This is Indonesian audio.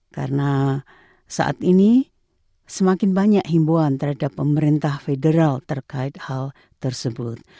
karena saat ini semakin banyak himbuan terhadap pemerintah federal terkait hal tersebut